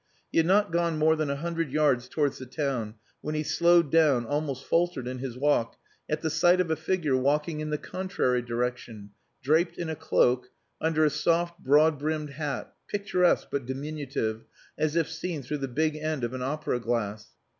He had not gone more than a hundred yards towards the town when he slowed down, almost faltered in his walk, at the sight of a figure walking in the contrary direction, draped in a cloak, under a soft, broad brimmed hat, picturesque but diminutive, as if seen through the big end of an opera glass.